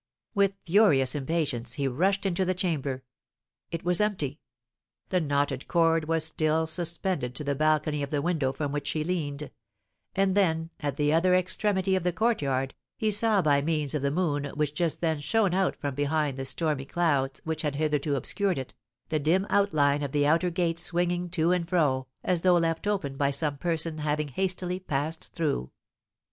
With furious impatience he rushed into the chamber, it was empty. The knotted cord was still suspended to the balcony of the window from which he leaned; and then, at the other extremity of the courtyard, he saw by means of the moon, which just then shone out from behind the stormy clouds which had hitherto obscured it, the dim outline of the outer gate swinging to and fro as though left open by some person having hastily passed through.